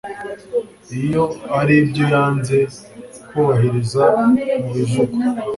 iyo hari ibyo yanze kubahiriza mu bivugwa